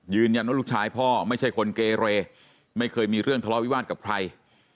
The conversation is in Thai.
ลูกชายพ่อไม่ใช่คนเกเรไม่เคยมีเรื่องทะเลาวิวาสกับใคร